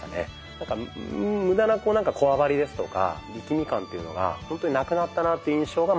なんか無駄なこわばりですとか力み感っていうのがほんとになくなったなぁっていう印象がまず第一に。